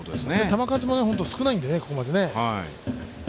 球数も少ないんでね、ここまで。